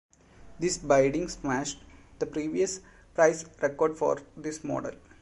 This bidding smashed the previous price record for this model.